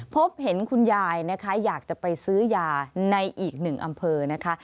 พบเห็นคุณยายนะคะอยากจะไปซื้อยาในอีกหนึ่งอำเภอนะคะ